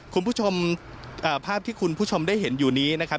คุณผู้ชมภาพที่คุณผู้ชมได้เห็นอยู่นี้นะครับ